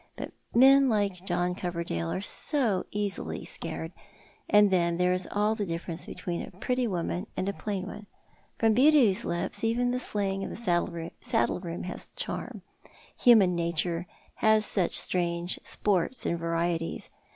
But men like John Coverdale are so easily scared; and then there is all the difference between a pretty woman and a plain one. From Beauty's lips even the slang of the saddle room has a charm. Human nature has such strange " sports " and varieties.